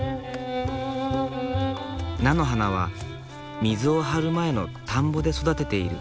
菜の花は水を張る前の田んぼで育てている。